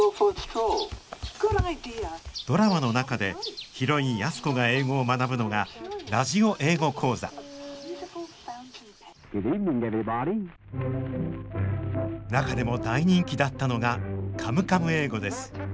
ドラマの中でヒロイン安子が英語を学ぶのがラジオ英語講座中でも大人気だったのが「カムカム英語」です。